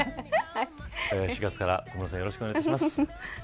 ４月から小室さんよろしくお願いいたします。